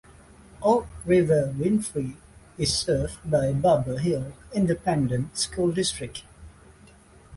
Old River-Winfree is served by Barbers Hill Independent School District.